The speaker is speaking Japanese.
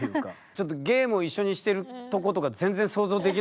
ちょっとゲームを一緒にしてるとことか全然想像できないんですけど。